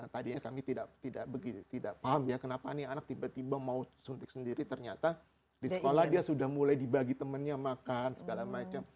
tadinya kami tidak paham ya kenapa ini anak tiba tiba mau suntik sendiri ternyata di sekolah dia sudah mulai dibagi temennya makan segala macam